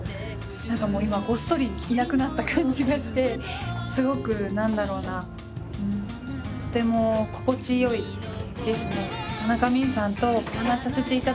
何か今ごっそりいなくなった感じがしてすごく何だろうなとても心地良いですね。